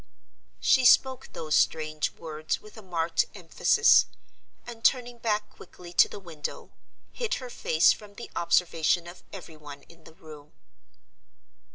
She spoke those strange words with a marked emphasis; and turning back quickly to the window, hid her face from the observation of every one in the room.